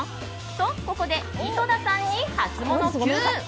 と、ここで井戸田さんにハツモノＱ！